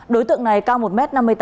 đối tượng này cao một m năm mươi tám